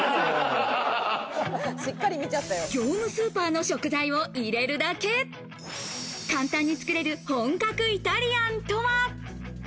業務スーパーの食材を入れるだけ、簡単につくれる本格イタリアンとは？